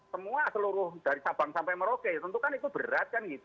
semua seluruh dari sabang sampai merauke tentu kan itu berat kan gitu